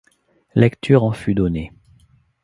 Lecture en fut donnée.